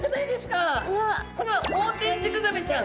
これはオオテンジクザメちゃん。